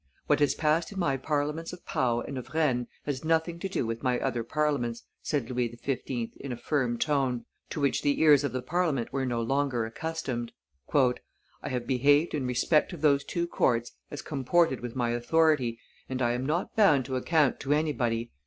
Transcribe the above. "What has passed in my Parliaments of Pau and of Rennes has nothing to do with my other Parliaments," said Louis XV. in a firm tone, to which the ears of the Parliament were no longer accustomed. "I have behaved in respect of those two courts as comported with my authority, and I am not bound to account to anybody.